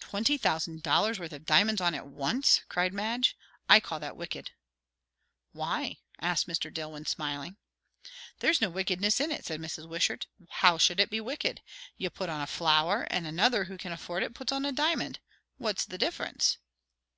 "Twenty thousand dollars' worth of diamonds on at once!" cried Madge. "I call that wicked!" "Why?" asked Mr. Dillwyn, smiling. "There's no wickedness in it," said Mrs. Wishart. "How should it be wicked? You put on a flower; and another, who can afford it, puts on a diamond. What's the difference?"